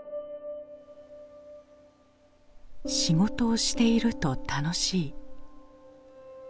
仕事をしていると楽しい。